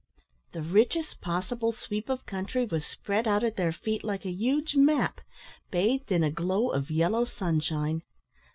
The richest possible sweep of country was spread out at their feet like a huge map, bathed in a glow of yellow sunshine.